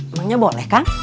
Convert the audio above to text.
emangnya boleh kang